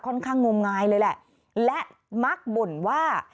ค่อนข้างงมงายเลยแหละและมักบ่นว่า